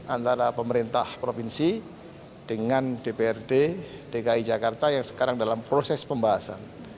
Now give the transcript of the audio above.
antara pemerintah provinsi dengan dprd dki jakarta yang sekarang dalam proses pembahasan